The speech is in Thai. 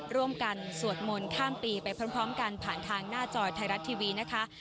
ร่วมกันสวดมนต์ข้ามปีไปพร้อมกันผ่านทางหน้าจอไทยรัฐทีวีนะคะ